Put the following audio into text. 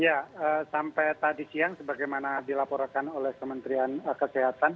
ya sampai tadi siang sebagaimana dilaporkan oleh kementerian kesehatan